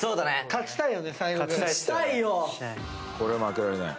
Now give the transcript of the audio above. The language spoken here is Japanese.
これは負けられない。